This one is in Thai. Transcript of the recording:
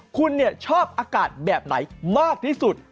คุณชอบอากาศแบบไหนมากที่สุด